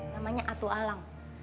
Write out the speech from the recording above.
namanya atu alang